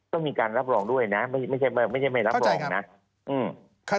ต้องมีการรับรองด้วยนะไม่ใช่ไม่ใช่ไม่รับรองนะ